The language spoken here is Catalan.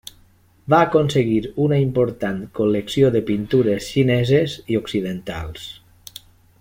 Va aconseguir una important col·lecció de pintures xineses i occidentals.